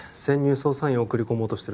捜査員を送り込もうとしてる